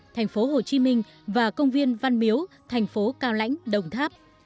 thành phố hồ chí minh và công viên văn miếu thành phố cao lãnh đồng tháp